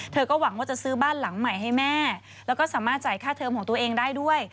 หวังว่าจะซื้อบ้านหลังใหม่ให้แม่แล้วก็สามารถจ่ายค่าเทอมของตัวเองได้ด้วย